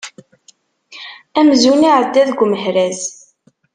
Amzun iεedda deg umehraz.